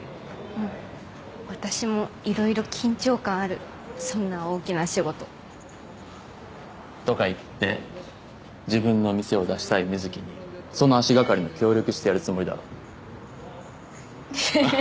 うん私もいろいろ緊張感あるそんな大きな仕事とかいって自分の店を出したい瑞貴にその足がかりの協力してやるつもりだろ？